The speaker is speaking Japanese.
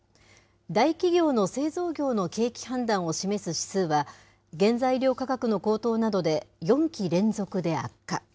大企業の製造業の景気判断を示し指数は、原材料価格の高騰などで４期連続で悪化。